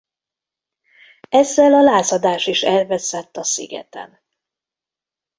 Ezzel a lázadás is elveszett a szigeten.